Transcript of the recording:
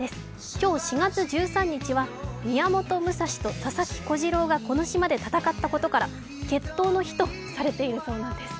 今日４月１３日は宮本武蔵と佐々木小次郎がこの島で戦ったことから決闘の日とされているそうなんです。